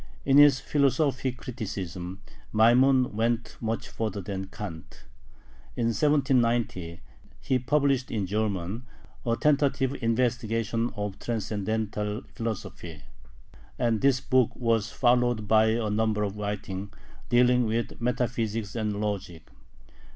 In his philosophic criticism, Maimon went much further than Kant. In 1790 he published in German "A Tentative Investigation of Transcendental Philosophy," and this book was followed by a number of writings dealing with metaphysics and logic.